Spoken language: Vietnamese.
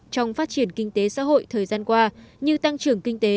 trong phát triển kinh tế xã hội thời gian qua như tăng trưởng kinh tế